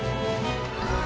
ああ。